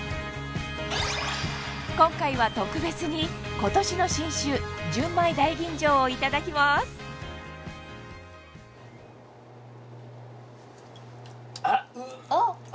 今回は特別に今年の新酒純米大吟醸をいただきまーすあっ！